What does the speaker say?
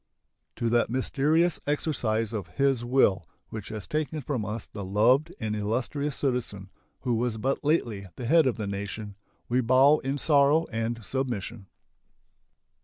To that mysterious exercise of His will which has taken from us the loved and illustrious citizen who was but lately the head of the nation we bow in sorrow and submission.